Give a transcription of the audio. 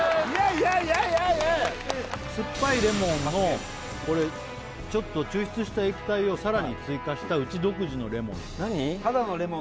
すっぱいレモンのこれちょっと抽出した液体をさらに追加したうち独自のレモン何！？